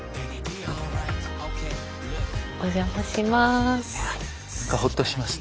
お邪魔します。